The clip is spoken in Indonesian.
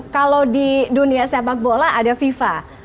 kalau di dunia sepak bola ada fifa